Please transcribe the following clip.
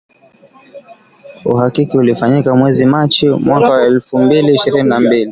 Uhakiki ulifanyika mwezi Machi mwaka wa elfu mbili ishirini na mbili.